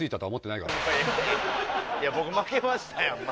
いや僕負けましたやん前。